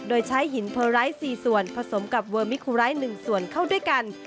โดยใช้หินโพรไลท์สี่ส่วนผสมกับเวอร์มิคูไลท์หนึ่งส่วนเข้าด้วยกัน